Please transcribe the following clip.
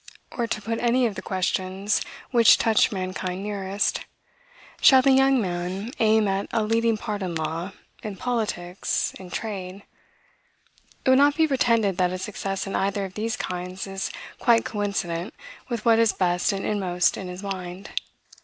Or, to put any of the questions which touch mankind nearest, shall the young man aim at a leading part in law, in politics, in trade? It will not be pretended that a success in either of these kinds is quite coincident with what is best and inmost in his mind.